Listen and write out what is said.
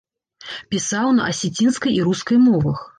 Пісаў на асецінскай і рускай мовах.